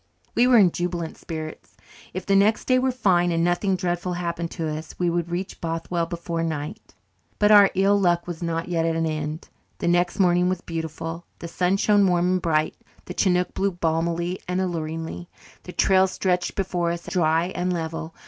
We were in jubilant spirits. If the next day were fine and nothing dreadful happened to us, we would reach Bothwell before night. But our ill luck was not yet at an end. The next morning was beautiful. The sun shone warm and bright; the chinook blew balmily and alluringly; the trail stretched before us dry and level.